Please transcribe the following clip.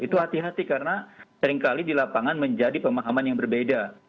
itu hati hati karena seringkali di lapangan menjadi pemahaman yang berbeda